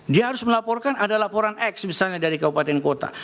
dia harus melaporkan ada laporan x misalnya dari kabupaten kota